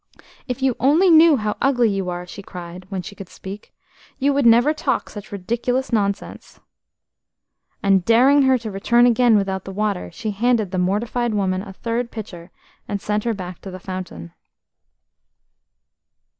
"If you only knew how ugly you are," she cried, when she could speak, "you would never talk such ridiculous nonsense." And daring her to return again without the water, she handed the mortified woman a third pitcher and sent her back to the fountain.